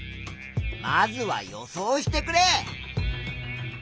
まずは予想してくれ。